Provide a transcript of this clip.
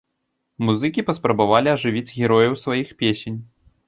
Музыкі паспрабавалі ажывіць герояў сваіх песень.